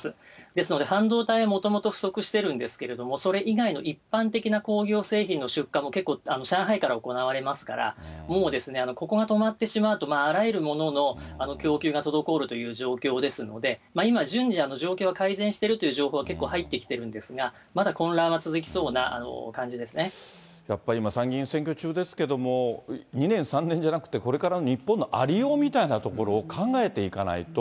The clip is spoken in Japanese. ですので、半導体、もともと不足してるんですけれども、それ以外の一般的な工業製品の出荷も上海から行われますから、もうここが止まってしまうと、あらゆるものの供給が滞るという状況ですので、今、順次、状況は改善してるという情報は、結構入ってきてるんですが、やっぱり今、参議院選挙中ですけれども、２年、３年じゃなくて、これからの日本のありようみたいなところを考えていかないと。